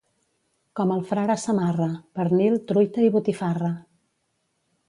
Com el frare Samarra: pernil, truita i botifarra.